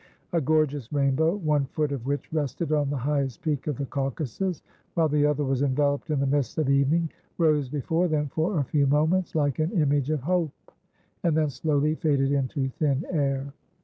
A gorgeous rainbow, one foot of which rested on the highest peak of the Caucasus, while the other was enveloped in the mists of evening, rose before them for a few moments, like an image of hope, and then slowly faded into thin air.